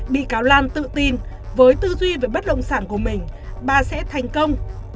bị cáo lan tự tin với tư duy về bất động sản của mình bà sẽ thành công